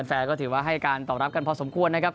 แฟนก็ถือว่าให้การตอบรับกันพอสมควรนะครับ